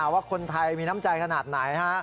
ว่าคนไทยมีน้ำใจขนาดไหน